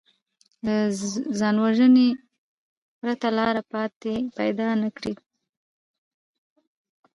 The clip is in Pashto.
له ځانوژنې پرته لاره پیدا نه کړي